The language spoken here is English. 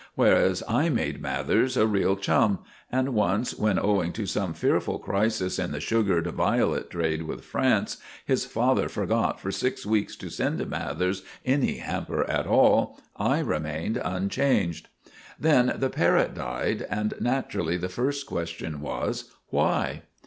Whereas I made Mathers a real chum, and once, when, owing to some fearful crisis in the sugared violet trade with France, his father forgot for six weeks to send Mathers any hamper at all, I remained unchanged. Then the parrot died and naturally the first question was, "Why?"